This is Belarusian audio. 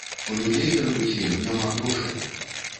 У людзей, перадусім, няма грошай!